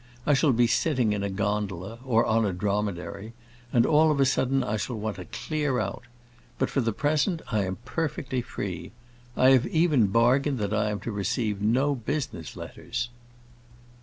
I shall be sitting in a gondola or on a dromedary, and all of a sudden I shall want to clear out. But for the present I am perfectly free. I have even bargained that I am to receive no business letters."